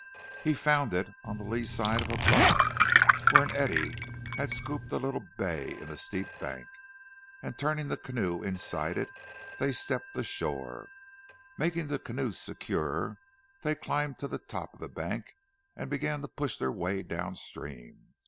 He found it on the lee side of a bluff where an eddy had scooped a little bay in the steep bank, and turning the canoe inside it, they stepped ashore. Making the canoe secure they climbed to the top of the bank and began to push their way down stream.